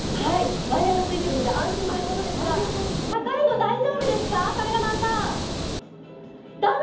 ワイヤーがついているので安心ということですが高いの大丈夫ですか、カメラマンさん、駄目？